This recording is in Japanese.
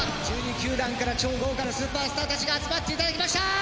球団から超豪華なスーパースターたちに集まって頂きました。